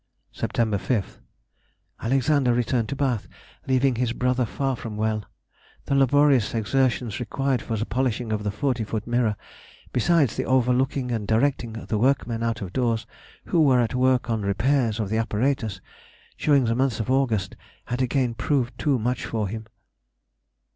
Sept. 5th.—Alexander returned to Bath, leaving his brother far from well. The laborious exertions required for the polishing of the forty foot mirror, besides the overlooking and directing the workmen out of doors, who were at work on the repairs of the apparatus, during the month of August, had again proved too much for him.